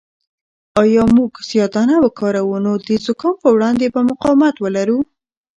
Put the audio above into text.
اگر موږ سیاه دانه وکاروو نو د زکام په وړاندې به مقاومت ولرو.